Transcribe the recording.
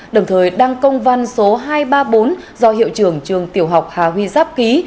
đồng thời đăng công văn số hai trăm ba mươi bốn do hiệu trưởng trường tiểu học hà huy giáp ký